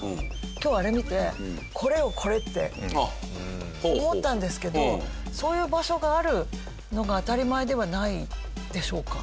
今日あれ見てこれよ！これ！って思ったんですけどそういう場所があるのが当たり前ではないんでしょうか？